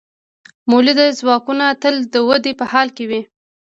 مؤلده ځواکونه تل د ودې په حال کې وي.